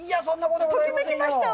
ときめきましたわ。